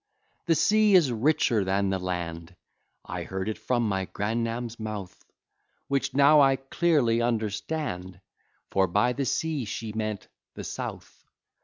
The sea is richer than the land, I heard it from my grannam's mouth, Which now I clearly understand; For by the sea she meant the South.